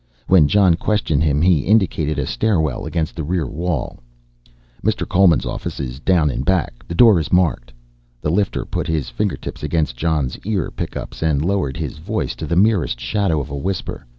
When Jon questioned him he indicated a stairwell against the rear wall. "Mr. Coleman's office is down in back, the door is marked." The lifter put his fingertips against Jon's ear pick ups and lowered his voice to the merest shadow of a whisper.